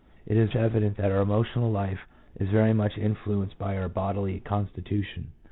" It is evident that our emotional life is very much influenced by our bodily constitution.